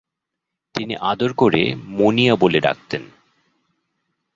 তিনি আদর করে মনিয়া বলে ডাকতেন।